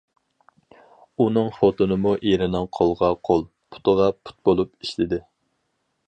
ئۇنىڭ خوتۇنىمۇ ئېرىنىڭ قولىغا قول، پۇتىغا پۇت بولۇپ ئىشلىدى.